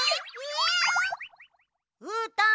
うーたん